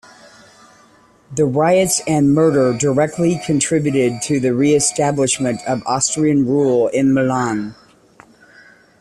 The riots and murder directly contributed to the re-establishment of Austrian rule in Milan.